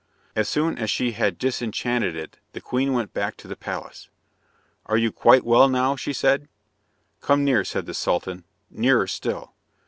As soon as she had disenchanted it the queen went back to the palace. "Are you quite well now?" she said. "Come near," said the Sultan. "Nearer still."